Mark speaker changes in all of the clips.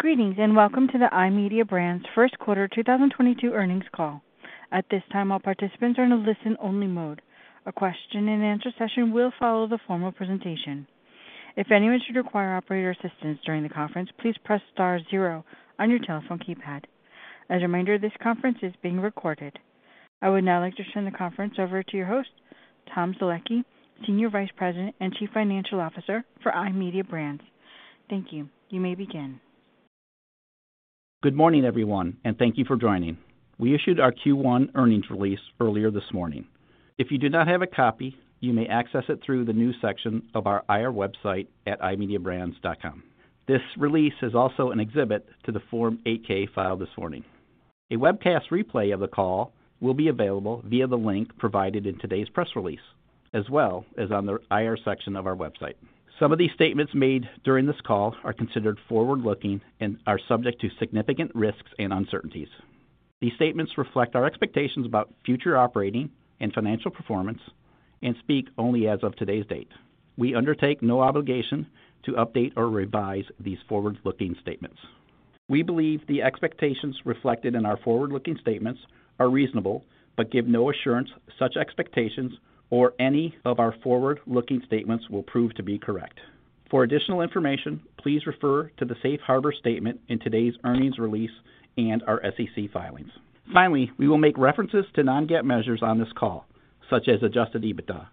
Speaker 1: Greetings, and welcome to the iMedia Brands' First Quarter 2022 Earnings Call. At this time, all participants are in a listen-only mode. A question-and-answer session will follow the formal presentation. If anyone should require operator assistance during the conference, please press star zero on your telephone keypad. As a reminder, this conference is being recorded. I would now like to turn the conference over to your host, Tom Zielecki, Senior Vice President and Chief Financial Officer for iMedia Brands. Thank you. You may begin.
Speaker 2: Good morning, everyone, and thank you for joining. We issued our Q1 earnings release earlier this morning. If you do not have a copy, you may access it through the news section of our IR website at imediabrands.com. This release is also an exhibit to the Form 8-K filed this morning. A webcast replay of the call will be available via the link provided in today's press release, as well as on the IR section of our website. Some of these statements made during this call are considered forward-looking and are subject to significant risks and uncertainties. These statements reflect our expectations about future operating and financial performance and speak only as of today's date. We undertake no obligation to update or revise these forward-looking statements. We believe the expectations reflected in our forward-looking statements are reasonable, but give no assurance such expectations or any of our forward-looking statements will prove to be correct. For additional information, please refer to the safe harbor statement in today's earnings release and our SEC filings. Finally, we will make references to non-GAAP measures on this call, such as Adjusted EBITDA.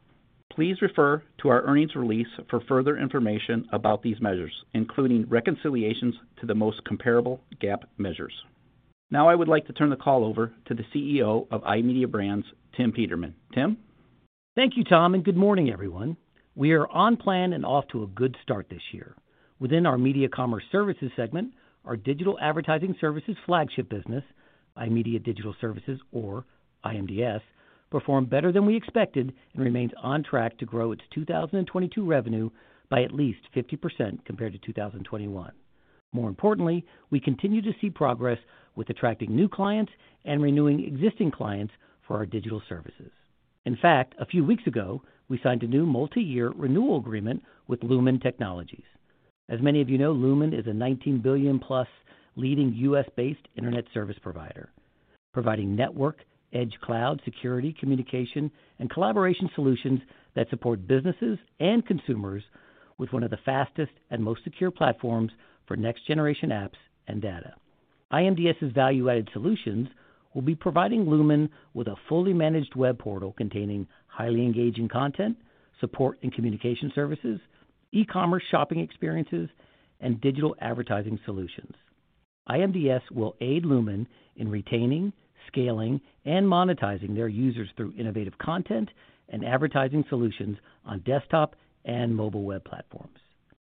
Speaker 2: Please refer to our earnings release for further information about these measures, including reconciliations to the most comparable GAAP measures. Now I would like to turn the call over to the CEO of iMedia Brands, Tim Peterman. Tim?
Speaker 3: Thank you, Tom, and good morning, everyone. We are on plan and off to a good start this year. Within our Media Commerce Services segment, our digital advertising services flagship business, iMedia Digital Services or iMDS, performed better than we expected and remains on track to grow its 2022 revenue by at least 50% compared to 2021. More importantly, we continue to see progress with attracting new clients and renewing existing clients for our digital services. In fact, a few weeks ago, we signed a new multi-year renewal agreement with Lumen Technologies. As many of you know, Lumen is a $19 billion-plus leading U.S.-based internet service provider, providing network, edge cloud, security, communication, and collaboration solutions that support businesses and consumers with one of the fastest and most secure platforms for next-generation apps and data. iMDS's value-added solutions will be providing Lumen with a fully managed web portal containing highly engaging content, support and communication services, e-commerce shopping experiences, and digital advertising solutions. iMDS will aid Lumen in retaining, scaling, and monetizing their users through innovative content and advertising solutions on desktop and mobile web platforms.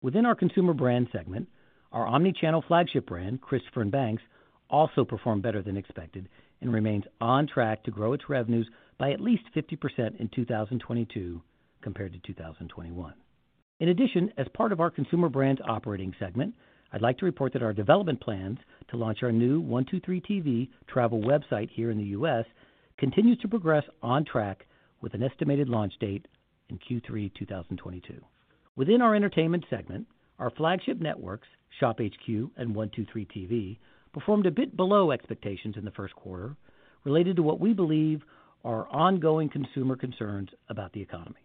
Speaker 3: Within our consumer brand segment, our omni-channel flagship brand, Christopher & Banks, also performed better than expected and remains on track to grow its revenues by at least 50% in 2022 compared to 2021. In addition, as part of our consumer brands operating segment, I'd like to report that our development plans to launch our new 123tv travel website here in the U.S. continues to progress on track with an estimated launch date in Q3 2022. Within our entertainment segment, our flagship networks, ShopHQ and 123tv, performed a bit below expectations in the first quarter related to what we believe are ongoing consumer concerns about the economy.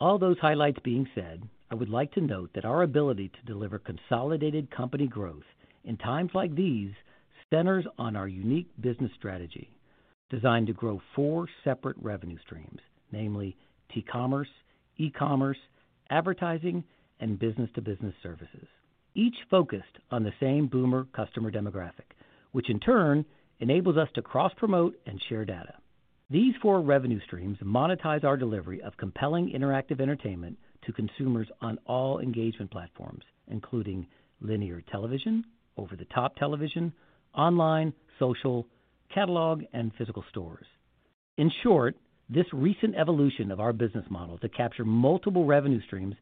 Speaker 3: All those highlights being said, I would like to note that our ability to deliver consolidated company growth in times like these centers on our unique business strategy designed to grow four separate revenue streams, namely t-commerce, e-commerce, advertising, and business-to-business services, each focused on the same boomer customer demographic, which in turn enables us to cross-promote and share data. These four revenue streams monetize our delivery of compelling interactive entertainment to consumers on all engagement platforms, including linear television, over-the-top television, online, social, catalog, and physical stores. In short, this recent evolution of our business model to capture multiple revenue streams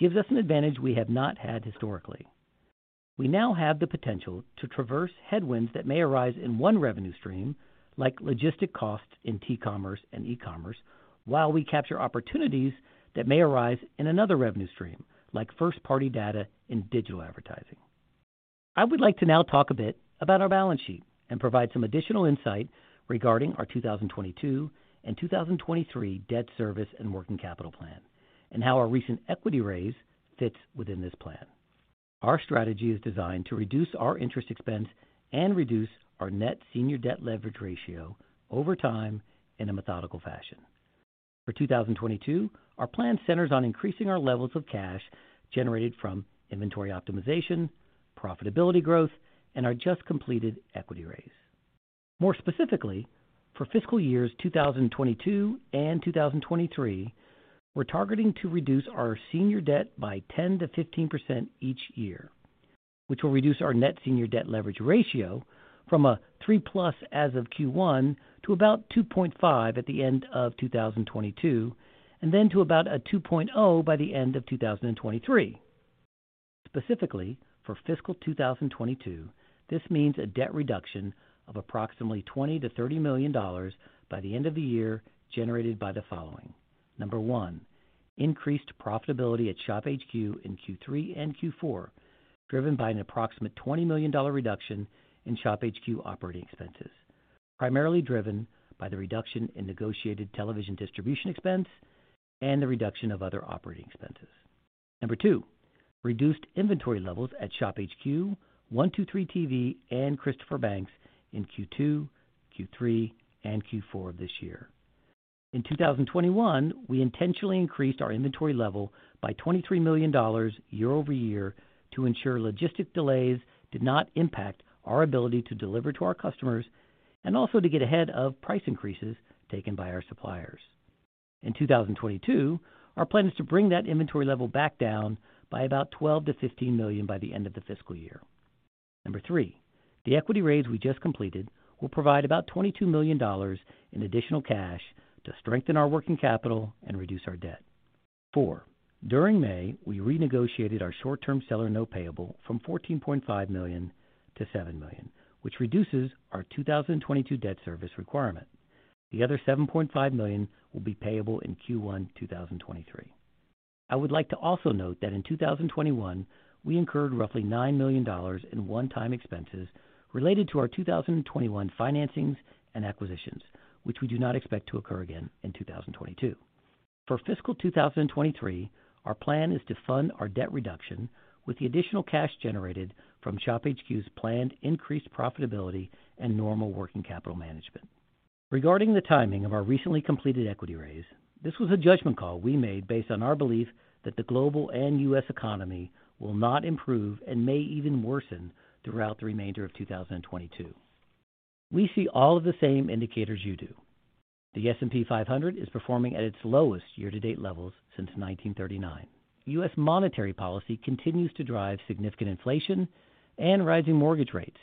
Speaker 3: gives us an advantage we have not had historically. We now have the potential to traverse headwinds that may arise in one revenue stream, like logistics costs in t-commerce and e-commerce, while we capture opportunities that may arise in another revenue stream, like first-party data in digital advertising. I would like to now talk a bit about our balance sheet and provide some additional insight regarding our 2022 and 2023 debt service and working capital plan, and how our recent equity raise fits within this plan. Our strategy is designed to reduce our interest expense and reduce our net senior debt leverage ratio over time in a methodical fashion. For 2022, our plan centers on increasing our levels of cash generated from inventory optimization, profitability growth, and our just completed equity raise. More specifically, for fiscal years 2022 and 2023, we're targeting to reduce our senior debt by 10%-15% each year, which will reduce our net senior debt leverage ratio from a 3+ as of Q1 to about 2.5 at the end of 2022, and then to about a 2.0 by the end of 2023. Specifically, for fiscal 2022, this means a debt reduction of approximately $20-$30 million by the end of the year generated by the following. Number one, increased profitability at ShopHQ in Q3 and Q4, driven by an approximate $20 million reduction in ShopHQ operating expenses, primarily driven by the reduction in negotiated television distribution expense and the reduction of other operating expenses. Number two, reduced inventory levels at ShopHQ, 123tv, and Christopher & Banks in Q2, Q3, and Q4 of this year. In 2021, we intentionally increased our inventory level by $23 million year-over-year to ensure logistic delays did not impact our ability to deliver to our customers and also to get ahead of price increases taken by our suppliers. In 2022, our plan is to bring that inventory level back down by about $12 million-$15 million by the end of the fiscal year. Number three, the equity raise we just completed will provide about $22 million in additional cash to strengthen our working capital and reduce our debt. Four, during May, we renegotiated our short-term seller note payable from $14.5 million to $7 million, which reduces our 2022 debt service requirement. The other $7.5 million will be payable in Q1 2023. I would like to also note that in 2021, we incurred roughly $9 million in one-time expenses related to our 2021 financings and acquisitions, which we do not expect to occur again in 2022. For fiscal 2023, our plan is to fund our debt reduction with the additional cash generated from ShopHQ's planned increased profitability and normal working capital management. Regarding the timing of our recently completed equity raise, this was a judgment call we made based on our belief that the global and U.S. economy will not improve and may even worsen throughout the remainder of 2022. We see all of the same indicators you do. The S&P 500 is performing at its lowest year-to-date levels since 1939. U.S. monetary policy continues to drive significant inflation and rising mortgage rates.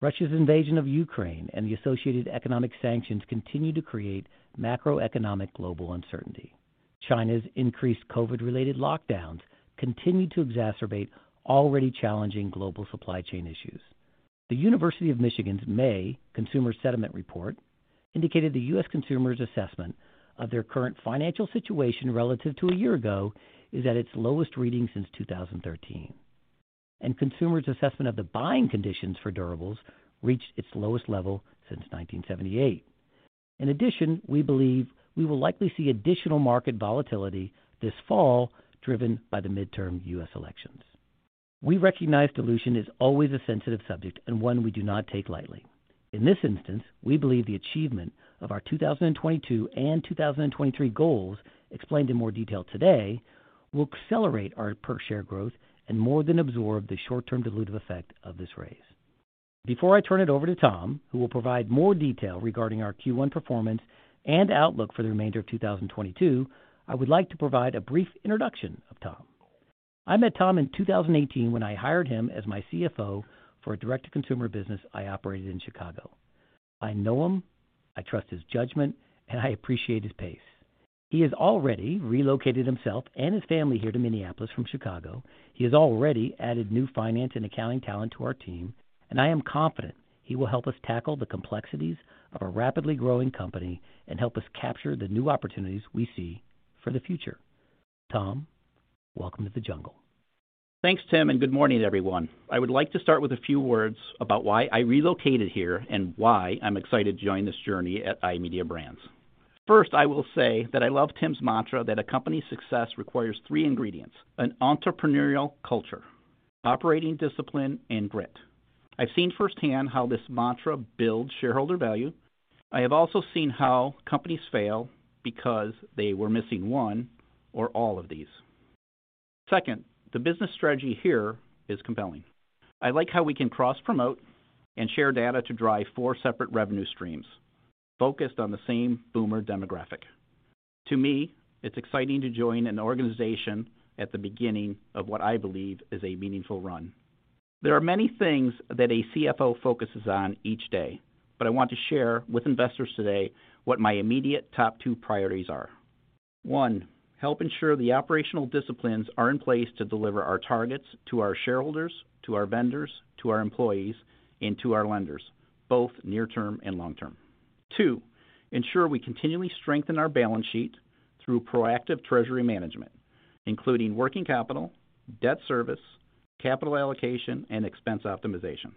Speaker 3: Russia's invasion of Ukraine and the associated economic sanctions continue to create macroeconomic global uncertainty. China's increased COVID-related lockdowns continue to exacerbate already challenging global supply chain issues. The University of Michigan's May Consumer Sentiment Report indicated the U.S. consumers' assessment of their current financial situation relative to a year ago is at its lowest reading since 2013, and consumers' assessment of the buying conditions for durables reached its lowest level since 1978. In addition, we believe we will likely see additional market volatility this fall driven by the midterm U.S. elections. We recognize dilution is always a sensitive subject and one we do not take lightly. In this instance, we believe the achievement of our 2022 and 2023 goals explained in more detail today will accelerate our per share growth and more than absorb the short-term dilutive effect of this raise. Before I turn it over to Tom, who will provide more detail regarding our Q1 performance and outlook for the remainder of 2022, I would like to provide a brief introduction of Tom. I met Tom in 2018 when I hired him as my CFO for a direct-to-consumer business I operated in Chicago. I know him, I trust his judgment, and I appreciate his pace. He has already relocated himself and his family here to Minneapolis from Chicago. He has already added new finance and accounting talent to our team, and I am confident he will help us tackle the complexities of a rapidly growing company and help us capture the new opportunities we see for the future. Tom, welcome to the jungle.
Speaker 2: Thanks, Tim, and good morning, everyone. I would like to start with a few words about why I relocated here and why I'm excited to join this journey at iMedia Brands. First, I will say that I love Tim's mantra that a company's success requires three ingredients, an entrepreneurial culture, operating discipline, and grit. I've seen firsthand how this mantra builds shareholder value. I have also seen how companies fail because they were missing one or all of these. Second, the business strategy here is compelling. I like how we can cross-promote and share data to drive four separate revenue streams focused on the same boomer demographic. To me, it's exciting to join an organization at the beginning of what I believe is a meaningful run. There are many things that a CFO focuses on each day, but I want to share with investors today what my immediate top two priorities are. One, help ensure the operational disciplines are in place to deliver our targets to our shareholders, to our vendors, to our employees, and to our lenders, both near-term and long-term. Two, ensure we continually strengthen our balance sheet through proactive treasury management, including working capital, debt service, capital allocation, and expense optimization.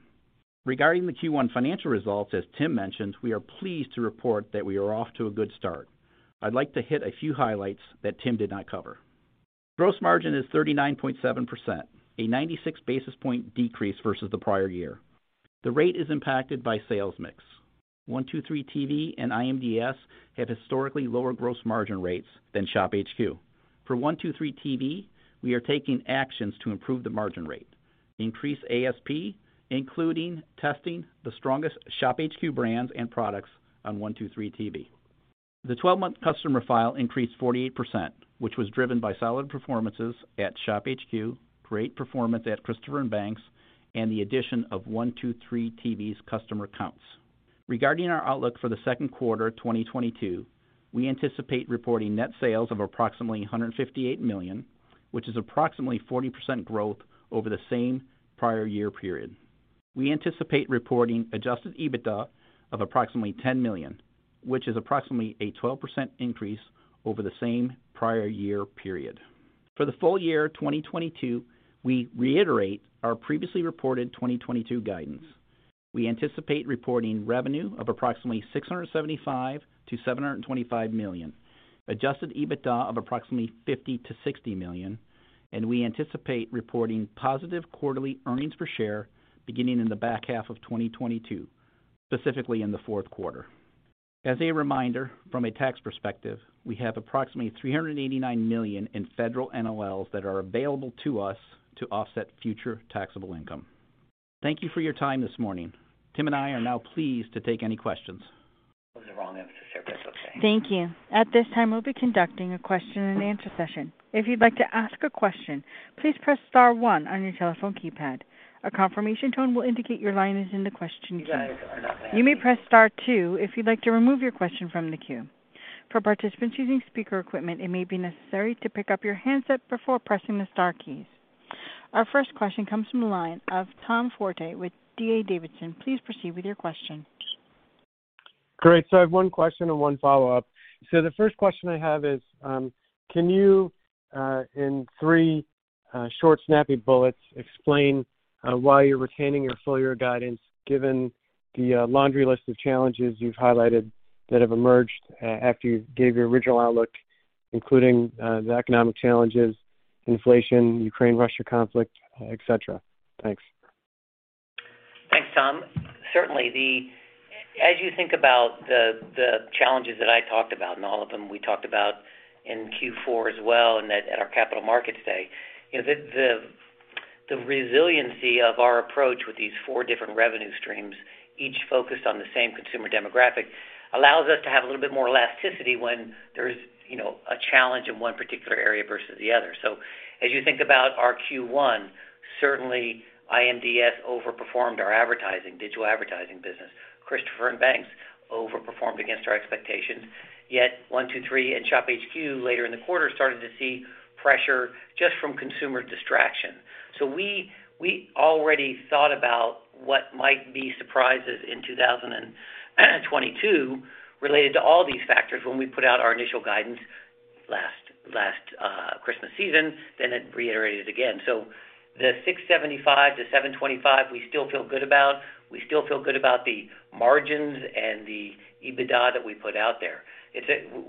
Speaker 2: Regarding the Q1 financial results, as Tim mentioned, we are pleased to report that we are off to a good start. I'd like to hit a few highlights that Tim did not cover. Gross margin is 39.7%, a 96 basis point decrease versus the prior year. The rate is impacted by sales mix. 123tv and iMDS have historically lower gross margin rates than ShopHQ. For 123tv, we are taking actions to improve the margin rate, increase ASP, including testing the strongest ShopHQ brands and products on 123tv. The twelve-month customer file increased 48%, which was driven by solid performances at ShopHQ, great performance at Christopher & Banks, and the addition of 123tv's customer counts. Regarding our outlook for the second quarter 2022, we anticipate reporting net sales of approximately $158 million, which is approximately 40% growth over the same prior year period. We anticipate reporting Adjusted EBITDA of approximately $10 million, which is approximately a 12% increase over the same prior year period. For the full year 2022, we reiterate our previously reported 2022 guidance. We anticipate reporting revenue of approximately $675 million-$725 million, Adjusted EBITDA of approximately $50 million-$60 million, and we anticipate reporting positive quarterly earnings per share beginning in the back half of 2022, specifically in the fourth quarter. As a reminder, from a tax perspective, we have approximately $389 million in federal NOLs that are available to us to offset future taxable income. Thank you for your time this morning. Tim and I are now pleased to take any questions..
Speaker 1: Thank you. At this time, we'll be conducting a question and answer session. If you'd like to ask a question, please press star one on your telephone keypad. A confirmation tone will indicate your line is in the question queue. You may press star two if you'd like to remove your question from the queue. For participants using speaker equipment, it may be necessary to pick up your handset before pressing the star keys. Our first question comes from the line of Tom Forte with D.A. Davidson. Please proceed with your question.
Speaker 4: Great. I have one question and one follow-up. The first question I have is, can you in three short snappy bullets explain why you're retaining your full year guidance given the laundry list of challenges you've highlighted that have emerged after you gave your original outlook, including the economic challenges, inflation, Ukraine-Russia conflict, et cetera? Thanks.
Speaker 3: Thanks, Tom. Certainly, as you think about the challenges that I talked about, and all of them we talked about in Q4 as well, and that at our capital markets day, you know, the resiliency of our approach with these four different revenue streams, each focused on the same consumer demographic, allows us to have a little bit more elasticity when there's, you know, a challenge in one particular area versus the other. As you think about our Q1, certainly iMDS overperformed our advertising, digital advertising business. Christopher & Banks overperformed against our expectations. Yet, 123tv and ShopHQ later in the quarter started to see pressure just from consumer distraction. We already thought about what might be surprises in 2022 related to all these factors when we put out our initial guidance last Christmas season, then it reiterated again. The $675-$725, we still feel good about. We still feel good about the margins and the EBITDA that we put out there.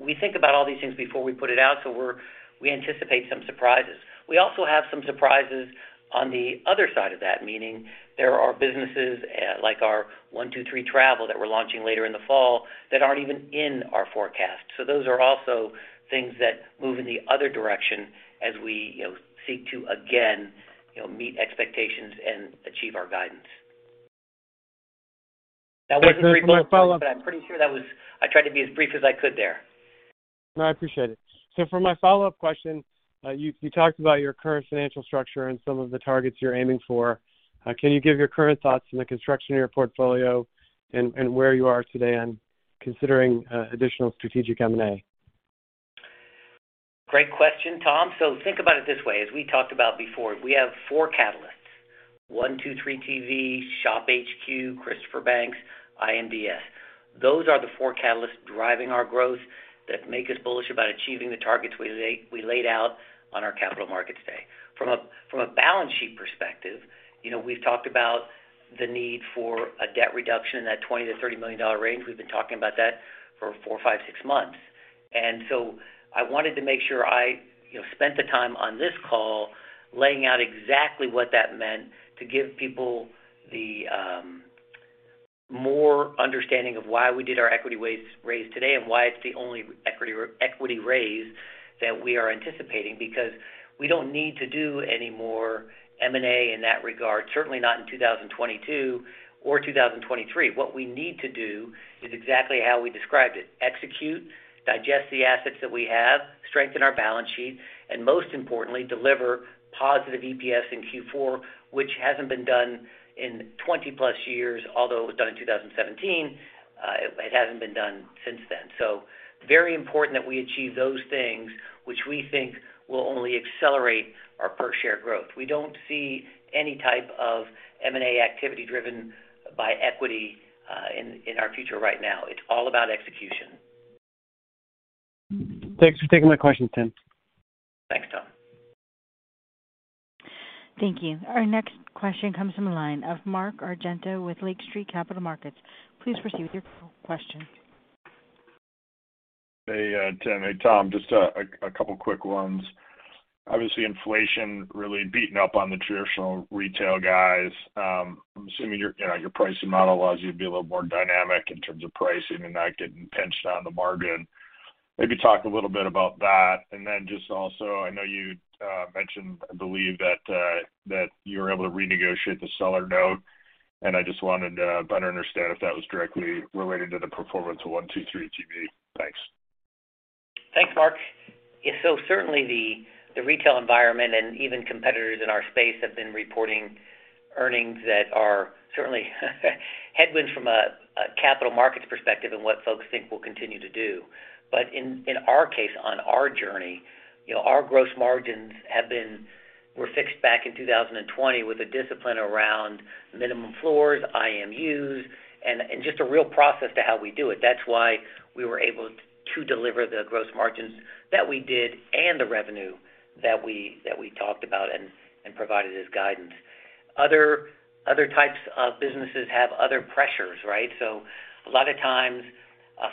Speaker 3: We think about all these things before we put it out, so we anticipate some surprises. We also have some surprises on the other side of that, meaning there are businesses like our 123tv that we're launching later in the fall that aren't even in our forecast. Those are also things that move in the other direction as we you know seek to again you know meet expectations and achieve our guidance. That wasn't three points, but I'm pretty sure that was. I tried to be as brief as I could there.
Speaker 4: No, I appreciate it. For my follow-up question, you talked about your current financial structure and some of the targets you're aiming for. Can you give your current thoughts on the construction of your portfolio and where you are today on considering additional strategic M&A?
Speaker 3: Great question, Tom. Think about it this way. As we talked about before, we have four catalysts, 123tv, ShopHQ, Christopher & Banks, iMDS. Those are the four catalysts driving our growth that make us bullish about achieving the targets we laid out on our capital markets day. From a balance sheet perspective, you know, we've talked about the need for a debt reduction in that $20-$30 million range. We've been talking about that for four, five, six months. I wanted to make sure I, you know, spent the time on this call laying out exactly what that meant to give people the more understanding of why we did our equity raise today and why it's the only equity raise that we are anticipating, because we don't need to do any more M&A in that regard, certainly not in 2022 or 2023. What we need to do is exactly how we described it, execute, digest the assets that we have, strengthen our balance sheet, and most importantly, deliver positive EPS in Q4, which hasn't been done in 20+ years, although it was done in 2017, it hasn't been done since then. Very important that we achieve those things which we think will only accelerate our per share growth. We don't see any type of M&A activity driven by equity, in our future right now. It's all about execution.
Speaker 4: Thanks for taking my questions, Tim.
Speaker 3: Thanks, Tom.
Speaker 1: Thank you. Our next question comes from the line of Mark Argento with Lake Street Capital Markets. Please proceed with your question.
Speaker 5: Hey, Tim. Hey, Tom. Just a couple quick ones. Obviously, inflation really beating up on the traditional retail guys. I'm assuming your, you know, your pricing model allows you to be a little more dynamic in terms of pricing and not getting pinched on the margin. Maybe talk a little bit about that. Just also, I know you mentioned, I believe that you were able to renegotiate the seller note, and I just wanted to better understand if that was directly related to the performance of 123tv. Thanks.
Speaker 3: Thanks, Mark. Yeah, so certainly the retail environment and even competitors in our space have been reporting earnings that are certainly headwind from a capital markets perspective and what folks think we'll continue to do. In our case, on our journey, you know, our gross margins were fixed back in 2020 with a discipline around minimum floors, IMUs, and just a real process to how we do it. That's why we were able to deliver the gross margins that we did and the revenue that we talked about and provided as guidance. Other types of businesses have other pressures, right? A lot of times,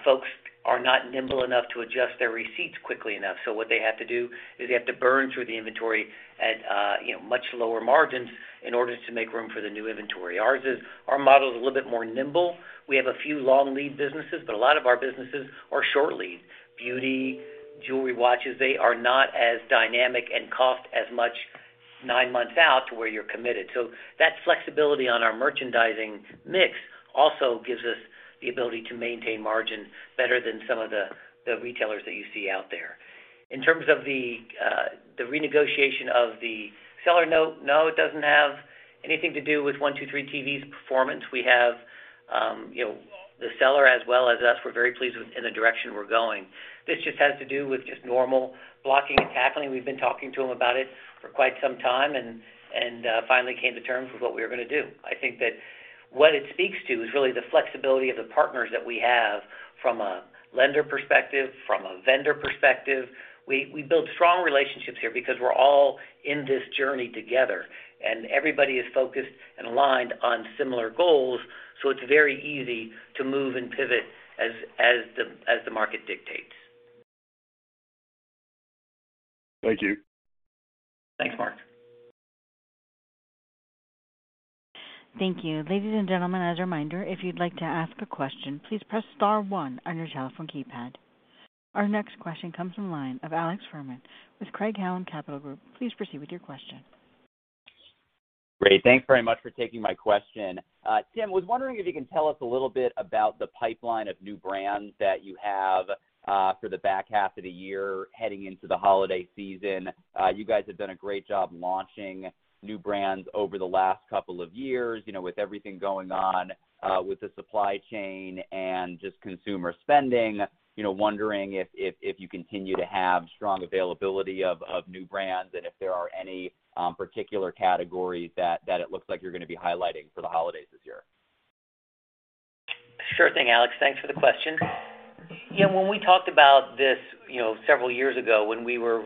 Speaker 3: folks are not nimble enough to adjust their receipts quickly enough. What they have to do is they have to burn through the inventory at much lower margins in order to make room for the new inventory. Our model is a little bit more nimble. We have a few long lead businesses, but a lot of our businesses are short leads. Beauty, jewelry, watches, they are not as dynamic and cost as much nine months out to where you're committed. That flexibility on our merchandising mix also gives us the ability to maintain margin better than some of the retailers that you see out there. In terms of the renegotiation of the seller note, no, it doesn't have anything to do with 123tv's performance. We have the seller as well as us, we're very pleased with the direction we're going. This just has to do with just normal blocking and tackling. We've been talking to them about it for quite some time and finally came to terms with what we were gonna do. I think that what it speaks to is really the flexibility of the partners that we have from a lender perspective, from a vendor perspective. We build strong relationships here because we're all in this journey together, and everybody is focused and aligned on similar goals. It's very easy to move and pivot as the market dictates.
Speaker 5: Thank you.
Speaker 3: Thanks, Mark.
Speaker 1: Thank you. Ladies and gentlemen, as a reminder, if you'd like to ask a question, please press star one on your telephone keypad. Our next question comes from line of Alex Fuhrman with Craig-Hallum Capital Group. Please proceed with your question.
Speaker 6: Great. Thanks very much for taking my question. Tim, was wondering if you can tell us a little bit about the pipeline of new brands that you have for the back half of the year heading into the holiday season. You guys have done a great job launching new brands over the last couple of years, you know, with everything going on with the supply chain and just consumer spending. You know, wondering if you continue to have strong availability of new brands and if there are any particular categories that it looks like you're gonna be highlighting for the holidays this year.
Speaker 3: Sure thing, Alex. Thanks for the question. Yeah, when we talked about this, you know, several years ago when we were,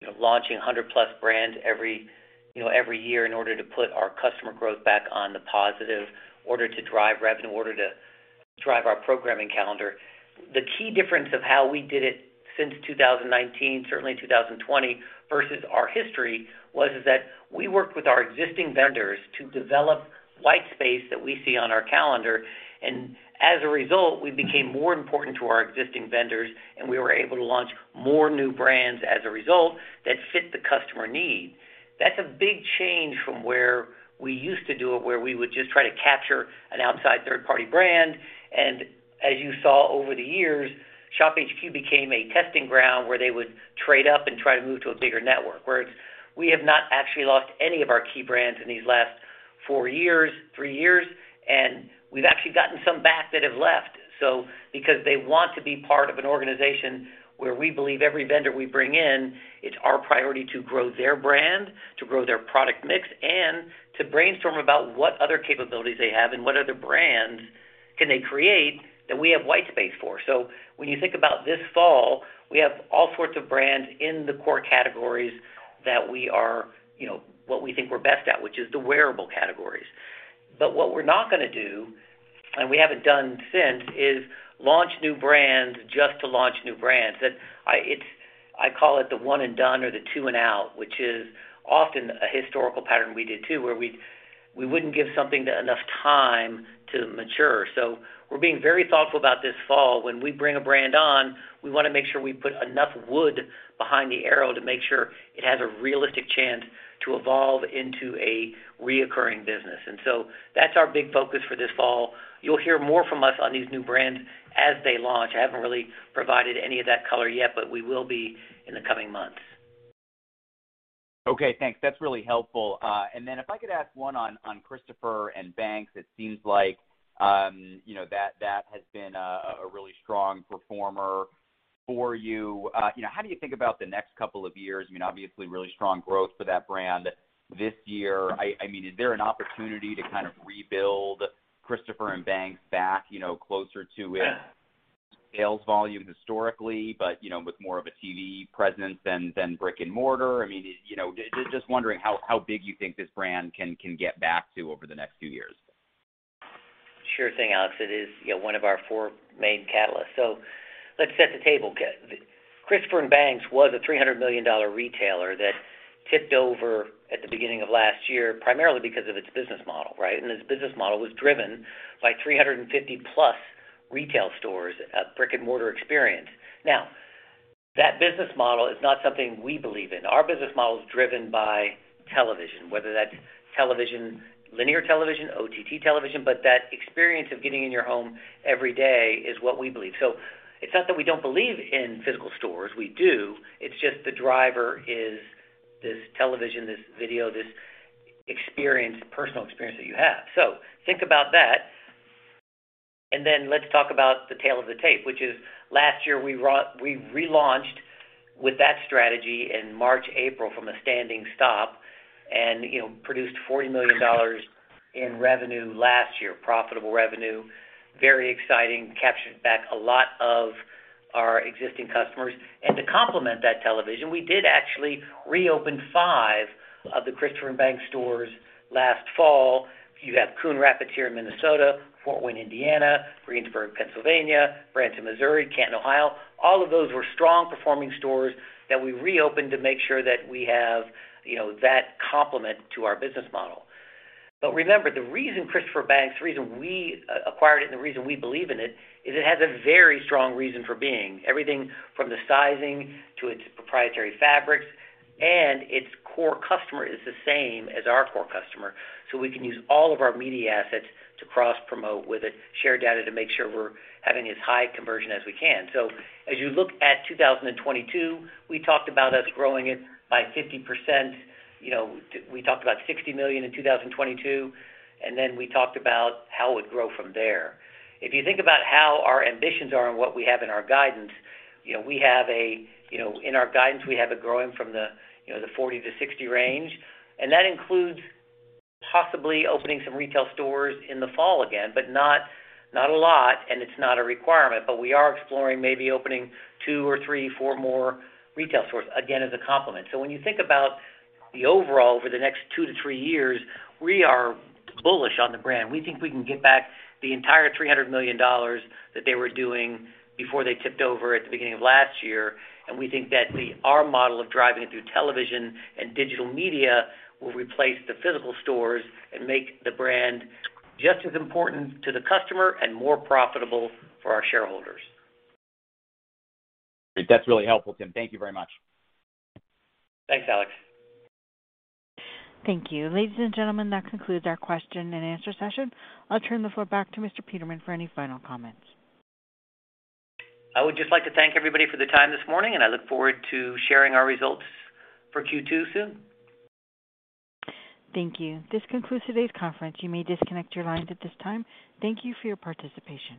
Speaker 3: you know, launching 100+ brands every, you know, every year in order to put our customer growth back on the positive, in order to drive revenue, in order to drive our programming calendar. The key difference of how we did it since 2019, certainly in 2020 versus our history, was that we worked with our existing vendors to develop white space that we see on our calendar, and as a result, we became more important to our existing vendors, and we were able to launch more new brands as a result that fit the customer need. That's a big change from where we used to do it, where we would just try to capture an outside third-party brand. As you saw over the years, ShopHQ became a testing ground where they would trade up and try to move to a bigger network, whereas we have not actually lost any of our key brands in these last four years, three years. We've actually gotten some back that have left. Because they want to be part of an organization where we believe every vendor we bring in, it's our priority to grow their brand, to grow their product mix, and to brainstorm about what other capabilities they have and what other brands can they create that we have white space for. When you think about this fall, we have all sorts of brands in the core categories that we are, you know, what we think we're best at, which is the wearable categories. What we're not gonna do, and we haven't done since, is launch new brands just to launch new brands. That I call it the one and done or the two and out, which is often a historical pattern we did too, where we wouldn't give something enough time to mature. We're being very thoughtful about this fall. When we bring a brand on, we wanna make sure we put enough wood behind the arrow to make sure it has a realistic chance to evolve into a recurring business. That's our big focus for this fall. You'll hear more from us on these new brands as they launch. I haven't really provided any of that color yet, but we will be in the coming months.
Speaker 6: Okay, thanks. That's really helpful. If I could ask one on Christopher & Banks, it seems like that has been a really strong performer for you. How do you think about the next couple of years? I mean, obviously really strong growth for that brand this year. I mean, is there an opportunity to kind of rebuild Christopher & Banks back closer to its sales volume historically, but you know, with more of a TV presence than brick and mortar? I mean, you know, just wondering how big you think this brand can get back to over the next few years.
Speaker 3: Sure thing, Alex. It is, you know, one of our four main catalysts. Let's set the table. Christopher & Banks was a $300 million retailer that tipped over at the beginning of last year, primarily because of its business model, right? This business model was driven by 350+ retail stores, a brick-and-mortar experience. Now, that business model is not something we believe in. Our business model is driven by television, whether that's television, linear television, OTT television, but that experience of getting in your home every day is what we believe. It's not that we don't believe in physical stores, we do. It's just the driver is this television, this video, this experience, personal experience that you have. Think about that. Then let's talk about the tale of the tape, which is last year we relaunched with that strategy in March, April from a standing stop and, you know, produced $40 million in revenue last year. Profitable revenue, very exciting, captured back a lot of our existing customers. To complement that television, we did actually reopen five of the Christopher & Banks stores last fall. You have Coon Rapids here in Minnesota, Fort Wayne, Indiana, Greensburg, Pennsylvania, Branson, Missouri, Canton, Ohio. All of those were strong performing stores that we reopened to make sure that we have, you know, that complement to our business model. Remember, the reason Christopher & Banks, the reason we acquired it and the reason we believe in it, is it has a very strong reason for being. Everything from the sizing to its proprietary fabrics and its core customer is the same as our core customer. We can use all of our media assets to cross-promote with it, share data to make sure we're having as high conversion as we can. As you look at 2022, we talked about us growing it by 50%. You know, we talked about $60 million in 2022, and then we talked about how it would grow from there. If you think about how our ambitions are and what we have in our guidance, you know, we have a, you know, in our guidance, we have it growing from the, you know, the $40-$60 range. That includes possibly opening some retail stores in the fall again, but not a lot, and it's not a requirement, but we are exploring maybe opening two or three, four more retail stores, again, as a complement. When you think about the overall over the next two-thee years, we are bullish on the brand. We think we can get back the entire $300 million that they were doing before they tipped over at the beginning of last year. We think that the our model of driving it through television and digital media will replace the physical stores and make the brand just as important to the customer and more profitable for our shareholders.
Speaker 6: That's really helpful, Tim. Thank you very much.
Speaker 3: Thanks, Alex.
Speaker 1: Thank you. Ladies and gentlemen, that concludes our question and answer session. I'll turn the floor back to Mr. Peterman for any final comments.
Speaker 3: I would just like to thank everybody for the time this morning, and I look forward to sharing our results for Q2 soon.
Speaker 1: Thank you. This concludes today's conference. You may disconnect your lines at this time. Thank you for your participation.